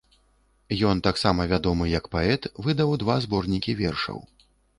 Ён таксама вядомы як паэт, выдаў два зборнікі вершаў.